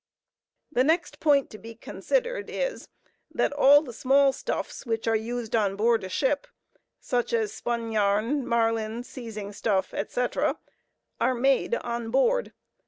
The next point to be considered is, that all the "small stuffs" which are used on board a ship—such as spun yarn, marline, seizing stuff, etc.—are made on board.